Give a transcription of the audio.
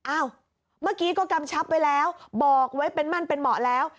เมื่อกี้ก็กำชับไว้แล้วบอกไว้เป็นมั่นเป็นเหมาะแล้ว